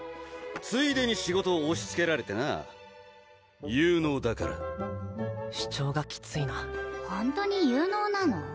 ついでに仕事を押しつけられてな有能だから主張がキツいなホントに有能なの？